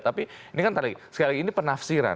tapi ini kan sekali lagi ini penafsiran